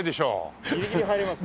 ギリギリ入ります。